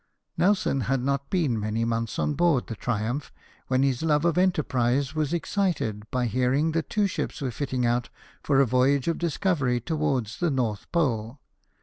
Nelson had not been many months on board the Triumph, when his love of enterprise was excited 6 LIFE OF NELSON. by hearing that two ships were fitting out for a voyage of discovery towards the North Pole.